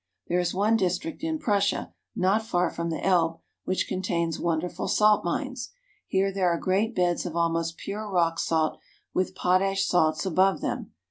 There is one district in Prussia, not far from the Elbe, which contains wonderful salt mines. Here there are great beds of almost pure rock salt with potash salts above them.